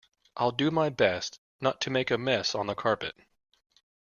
I'll do my best not to make a mess on the carpet.